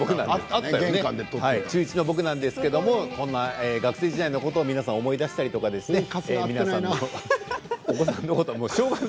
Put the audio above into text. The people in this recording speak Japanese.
中１の僕なんですけれどこんな学生時代のことを皆さん思い出したりお子さんのこと。